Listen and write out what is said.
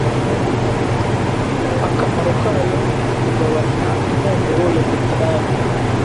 akamaro kayo ni ukugabanya impumuro ya beterave